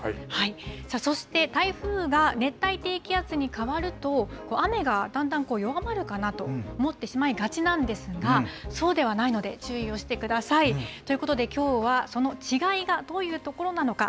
さあ、そして台風が熱帯低気圧に変わると、雨がだんだん弱まるかなと思ってしまいがちなんですが、そうではないので、注意をしてください。ということで、きょうは、その違いがどういうところなのか、